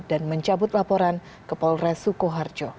dan mencabut laporan ke polres sukoharjo